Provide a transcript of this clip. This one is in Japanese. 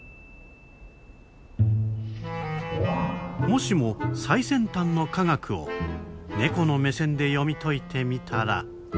もしも最先端の科学をネコの目線で読み解いてみたら。